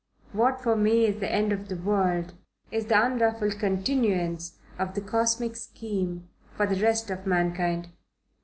What for me is the end of the world is the unruffled continuance of the cosmic scheme for the rest of mankind.